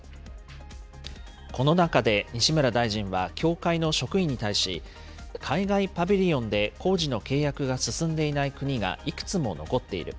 この中で西村大臣は協会の職員に対し、海外パビリオンで工事の契約が進んでいない国がいくつも残っている。